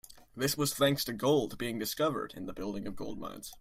This was thanks to gold being discovered and the building of gold mines.